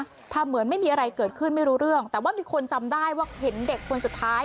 ทำเหมือนไม่มีอะไรเกิดขึ้นไม่รู้เรื่องแต่ว่ามีคนจำได้ว่าเห็นเด็กคนสุดท้าย